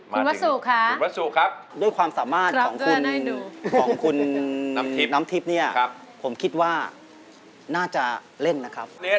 คุณวัสสุค่ะคุณวัสสุครับด้วยความสามารถของคุณของคุณน้ำทิพย์เนี่ยผมคิดว่าน่าจะเล่นนะครับ